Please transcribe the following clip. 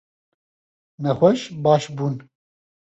Nexweş baş bûn.